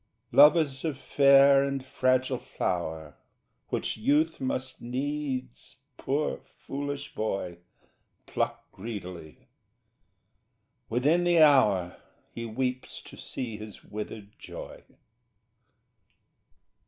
Love is a fair and fragile flower Which Youth must needs, poor foolish boy, Pluck greedily....Within the hour He weeps to see his withered joy.